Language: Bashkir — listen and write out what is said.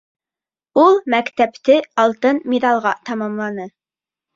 Ул мәктәпте алтын миҙалға тамамланы.